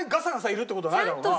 いるって事はないだろうな。